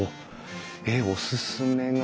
えっおすすめが。